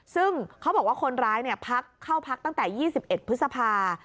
ซึ่งเขาบอกว่าคนร้ายพักเข้าพักตั้งแต่๒๑พฤษภา